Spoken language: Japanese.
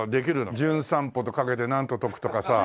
『じゅん散歩』とかけて何と解くとかさ。